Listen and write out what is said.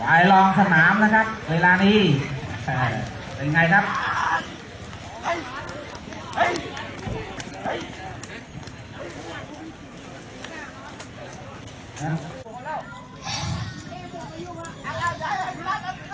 ไหวลองสนามนะครับเวลานี้เป็นยังไงนะครับ